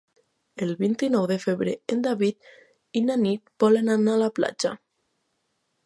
El vint-i-nou de febrer en David i na Nit volen anar a la platja.